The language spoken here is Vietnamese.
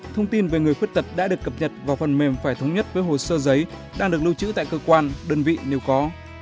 thông tin về người khuyết tật đã được cập nhật vào phần mềm phải thống nhất với hồ sơ giấy đang được lưu trữ tại cơ quan đơn vị nếu có